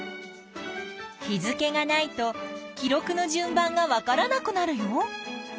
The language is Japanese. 日付がないと記録の順番がわからなくなるよ。